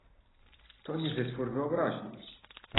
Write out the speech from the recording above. "To nie wytwór wyobraźni!"